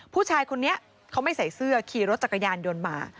ผู้ชายคนนี้เขาไม่ใส่เสื้อขี่รถจักรยานยนต์มา